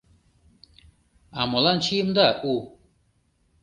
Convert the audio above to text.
— А молан чиемда у?